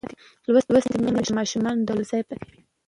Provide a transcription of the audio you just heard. لوستې میندې د ماشومانو د لوبو ځای پاک ساتي.